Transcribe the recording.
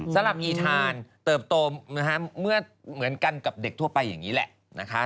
สำหรับอีทานเติบโตเมื่อเหมือนกันกับเด็กทั่วไปอย่างนี้แหละนะคะ